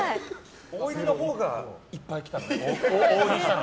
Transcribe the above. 大入りのほうがいっぱい来たんだ。